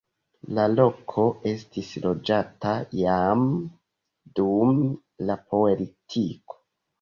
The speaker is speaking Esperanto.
La loko estis loĝata jam dum la paleolitiko.